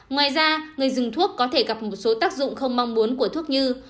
ngoài ra người dùng thuốc có thể gặp một số tác dụng không mong muốn của thuốc như